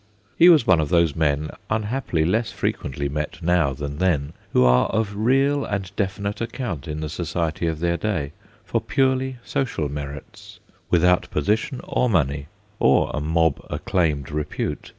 He was one of those men, unhappily less frequently met now than then, who are of real and definite account in the society of their day for purely social merits without position or money, or a mob acclaimed repute.